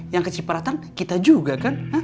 yang kecipratan kita juga kan